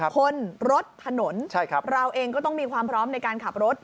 คนรถถนนเราเองก็ต้องมีความพร้อมในการขับรถ